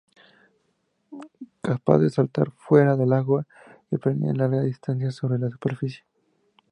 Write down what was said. Capaz de saltar fuera del agua y planear largas distancias sobre la superficie.